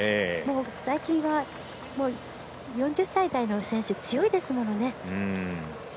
最近は、４０歳代の選手つよいですものね。